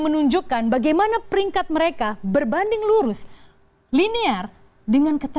lalu kita bergeser lagi bagaimana negara pecahan uni soviet dan juga eropa timur yang terafiliasi dengan komunis